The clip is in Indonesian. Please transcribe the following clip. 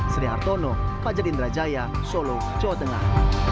sri hartono fajar indrajaya solo jawa tengah